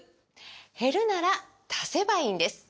減るなら足せばいいんです！